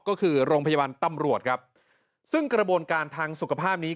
ก็คือโรงพยาบาลตำรวจครับซึ่งกระบวนการทางสุขภาพนี้